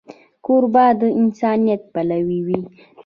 کوربه د انسانیت پلوی وي.